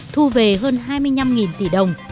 thu về hơn hai mươi năm tỷ đồng